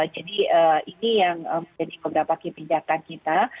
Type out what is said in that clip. jadi ini yang menjadi keberapa kebijakan kita